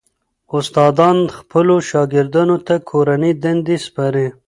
استادان خپلو شاګردانو ته کورنۍ دندې سپاري.